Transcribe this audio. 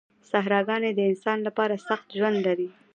صحراګان د انسان لپاره سخت ژوند لري.